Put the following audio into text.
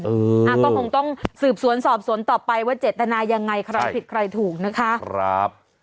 อ่าก็คงต้องสืบสวนสอบสวนต่อไปว่าเจตนายังไงใครผิดใครถูกนะคะครับ